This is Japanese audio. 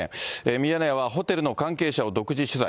ミヤネ屋はホテルの関係者を独自取材。